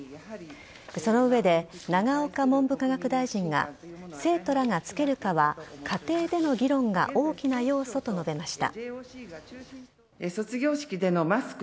その上で永岡文部科学大臣が生徒らがつけるかは家庭での議論が大きな要素と述べました。